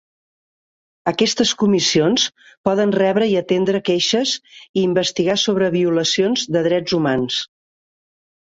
Aquestes comissions poden rebre i atendre queixes i investigar sobre violacions de drets humans.